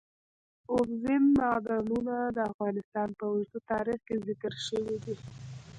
اوبزین معدنونه د افغانستان په اوږده تاریخ کې ذکر شوی دی.